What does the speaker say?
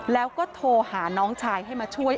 แล้วก็โทรหาน้องชายให้มาช่วย